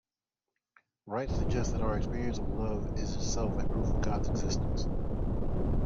Wright suggest that our experience of love is itself a proof of God's existence.